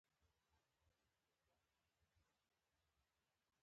وروسته غوړي ور زیات کړئ تر څو پوښ جوړ شي.